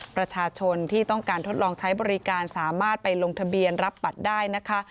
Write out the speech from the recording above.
ประชาชนที่ต้องการทดลองใช้บริการสามารถไปลงทะเบียนรับบัตรได้นะคะ